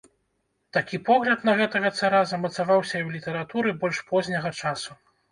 Такі погляд на гэтага цара замацаваўся і ў літаратуры больш позняга часу.